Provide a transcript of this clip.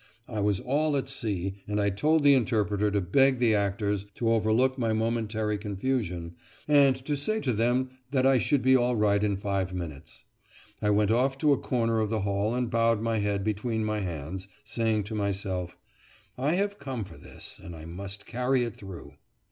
I was all at sea, and I told the interpreter to beg the actors to overlook my momentary confusion, and to say to them that I should be all right in five minutes. I went off to a corner of the hall and bowed my head between my hands, saying to myself, "I have come for this, and I must carry it through."